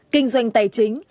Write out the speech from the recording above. kinh doanh tài chính